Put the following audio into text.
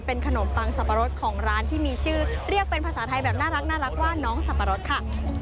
เป็นขนมปังสับปะรดของร้านที่มีชื่อเรียกเป็นภาษาไทยแบบน่ารักว่าน้องสับปะรดค่ะ